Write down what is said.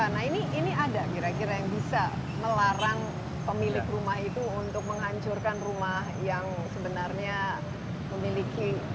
nah ini ada kira kira yang bisa melarang pemilik rumah itu untuk menghancurkan rumah yang sebenarnya memiliki